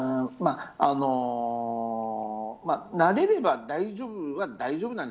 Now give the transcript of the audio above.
慣れれば大丈夫は大丈夫なんです。